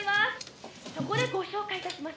「そこでご紹介いたします」